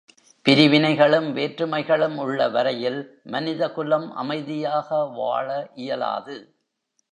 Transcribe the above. பிரிவினைகளும் வேற்றுமைகளும் உள்ள வரையில், மனிதகுலம் அமைதியாக வாழஇயலாது.